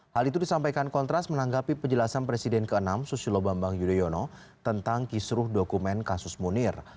hal itu disampaikan kontras menanggapi penjelasan presiden ke enam susilo bambang yudhoyono tentang kisruh dokumen kasus munir